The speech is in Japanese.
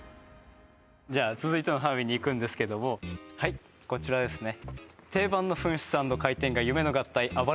じゃあ続いての花火にいくんですけどもはいこちらですね